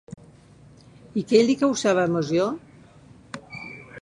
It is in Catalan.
I què li causava emoció?